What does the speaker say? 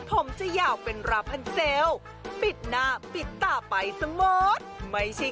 ผมจะยาวเป็นราพันเซลล์ปิดหน้าปิดตาไปเสมอไม่ใช่